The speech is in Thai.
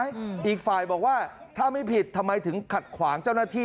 อืมอีกฝ่ายบอกว่าถ้าไม่ผิดทำไมถึงขัดขวางเจ้าหน้าที่